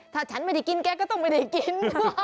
ถ้าฉันไม่ได้กินแกก็ต้องไม่ได้กิน